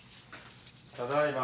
ただいま。